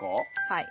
はい。